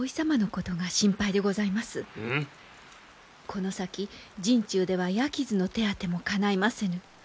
この先陣中では矢傷の手当てもかないませぬ。